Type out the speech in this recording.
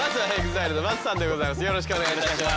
よろしくお願いします。